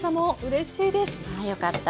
あよかった。